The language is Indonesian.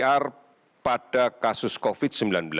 pcr pada kasus covid sembilan belas